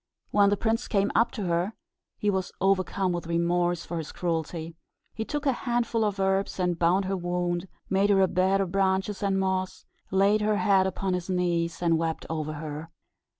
When the prince came up to her, he was overcome with remorse for his cruelty. He took a handful of herbs and bound up her wound, made her a bed of branches and moss, laid her head upon his knees, and wept over her.